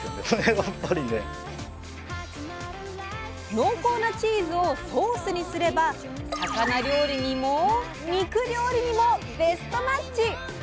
濃厚なチーズをソースにすれば魚料理にも肉料理にもベストマッチ！